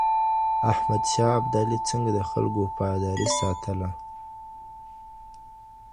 احمد شاه ابدالي څنګه د خلګو وفاداري ساتله؟